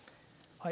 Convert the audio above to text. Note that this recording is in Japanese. はい。